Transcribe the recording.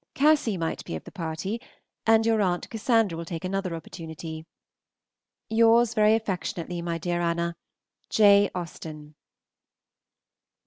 Cassy might be of the party, and your Aunt Cassandra will take another opportunity. Yours very affectionately, my dear Anna, J. AUSTEN.